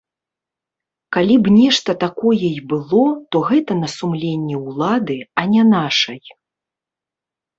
Калі б нешта такое і было, то гэта на сумленні ўлады, а не нашай.